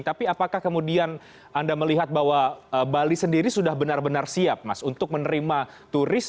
tapi apakah kemudian anda melihat bahwa bali sendiri sudah benar benar siap mas untuk menerima turis